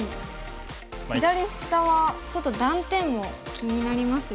左下はちょっと断点も気になりますよね。